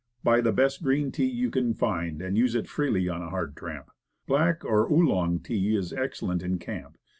Buy the best green tea you can find, and use it freely on a hard tramp. Black, or Oolong tea, is excellent in camp.